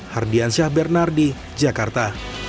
hardian syah bernardi jakarta